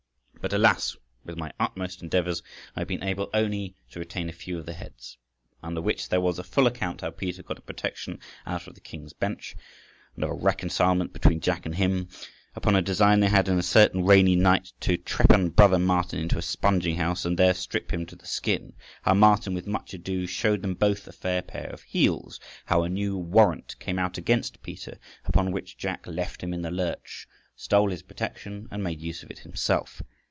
But alas! with my utmost endeavours I have been able only to retain a few of the heads. Under which there was a full account how Peter got a protection out of the King's Bench, and of a reconcilement between Jack and him, upon a design they had in a certain rainy night to trepan brother Martin into a spunging house, and there strip him to the skin. How Martin, with much ado, showed them both a fair pair of heels. How a new warrant came out against Peter, upon which Jack left him in the lurch, stole his protection, and made use of it himself.